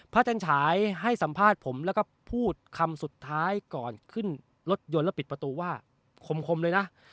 จันฉายให้สัมภาษณ์ผมแล้วก็พูดคำสุดท้ายก่อนขึ้นรถยนต์แล้วปิดประตูว่าคมเลยนะ